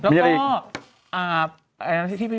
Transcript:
มีอะไรอีก